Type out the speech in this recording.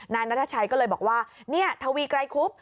นายนัทชัยก็เลยบอกว่าเนี่ยทวีไกรคุบ